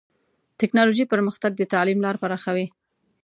ټکنالوژي پرمختګ د تعلیم لار پراخوي.